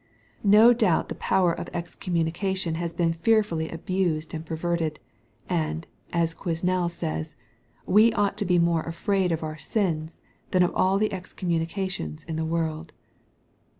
No. doubt the power of ex * communication has been fearfully abused and perverted, and, as Quesnel says, " we ought to be more afraid of oui sins than of all the excommunications in the world."